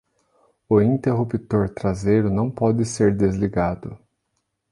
O interruptor traseiro não pode ser desligado.